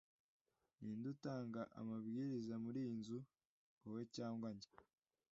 ninde utanga amabwiriza muriyi nzu? wowe cyangwa njye